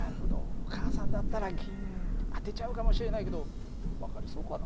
お母さんだったら銀当てちゃうかもしれないけど分かりそうかな？